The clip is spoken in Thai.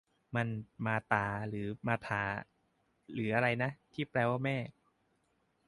มัน มาตา หรือ มาธา หรืออะไรนะ ที่แปลว่า แม่